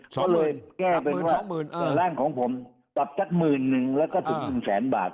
ก็เลยแก้เป็นว่าแรงของผมปรับจัดหมื่น๑แล้วก็ถึง๑๐๐๐๐๐บาท